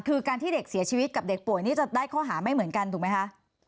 คือการที่เด็กเสียชีวิตกับเด็กป่วยนี่จะได้ข้อหาไม่เหมือนกันถูกไหมคะ